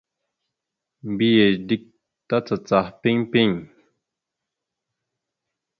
Mbiyez dik tacacaha piŋ piŋ.